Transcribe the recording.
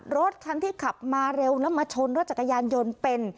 รถคันที่ขับมาเร็วแล้วมาชนรถจักรยานยนต์เป็น